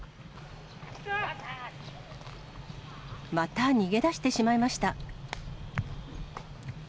また逃げ出してしまいました。